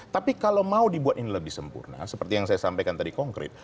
tapi kalau mau dibuat ini lebih sempurna seperti yang saya sampaikan tadi konkret